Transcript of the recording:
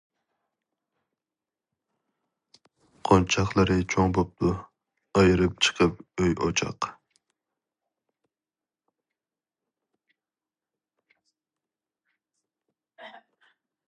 قونچاقلىرى چوڭ بوپتۇ، ئايرىپ چىقىپ ئۆي-ئوچاق.